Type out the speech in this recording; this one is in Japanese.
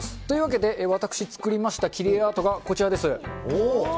というわけで、私、作りました切り絵アートがこちらです。